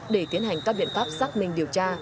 để tiến hành các biện pháp xác minh điều tra